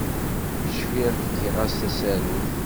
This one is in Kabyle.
Cfiɣ fkiɣ-as tasarut.